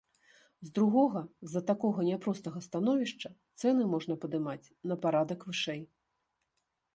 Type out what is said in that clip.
З другога, з-за такога няпростага становішча цэны можна падымаць на парадак вышэй.